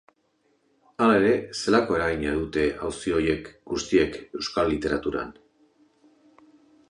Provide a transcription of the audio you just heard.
Hala ere, zelako eragina dute auzi horiek guztiek euskal literaturan?